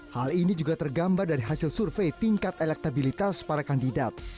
hal ini juga tergambar dari hasil survei tingkat elektabilitas para kandidat